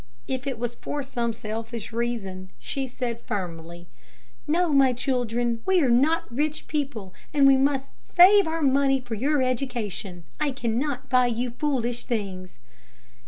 If it was for some selfish reason, she said, firmly: "No, my children; we are not rich people, and we must save our money for your education. I cannot buy you foolish things."